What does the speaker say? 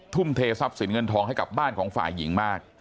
ทุ่มเททรัพย์สินเงินทองให้กับบ้านของฝ่ายหญิงมาก